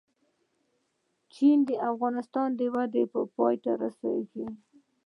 د چین اقتصادي وده به پای ته ورسېږي.